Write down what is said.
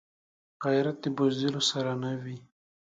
غیرت د بزدلو سره نه وي